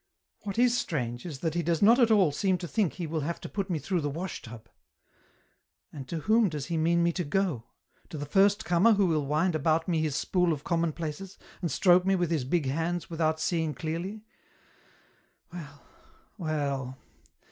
What is strange is that he does not at all seem to think he will have to put me through the wash tub ; and to whom does he mean me to go — to the first comer who will wind about me his spool of commonplaces, and stroke me with his big hands without seeing clearly ?" Well, well.